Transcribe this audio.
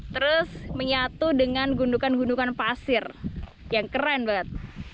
terus menyatu dengan gundukan gundukan pasir yang keren banget